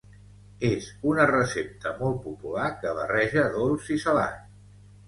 És una recepta molt popular que barreja dolç i salat.